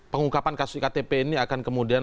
pengungkapan kasus iktp ini akan kemudian